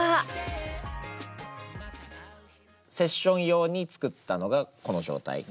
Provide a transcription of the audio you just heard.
セッション用に作ったのがこの状態。